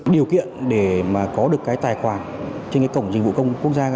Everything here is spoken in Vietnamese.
điều kiện để mà có được cái tài khoản trên cái cổng dịch vụ công quốc gia